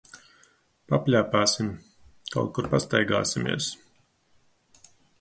Papļāpāsim, kaut kur pastaigāsimies.